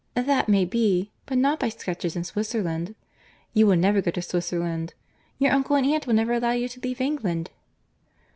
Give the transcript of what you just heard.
"That may be—but not by sketches in Swisserland. You will never go to Swisserland. Your uncle and aunt will never allow you to leave England."